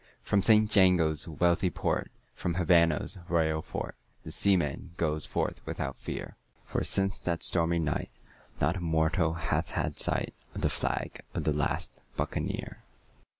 From St Jago's wealthy port, from Havannah's royal fort, The seaman goes forth without fear; For since that stormy night not a mortal hath had sight Of the flag of the last Buccaneer.